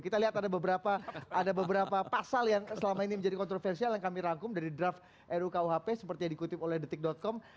kita lihat ada beberapa pasal yang selama ini menjadi kontroversial yang kami rangkum dari draft rukuhp seperti yang dikutip oleh detik com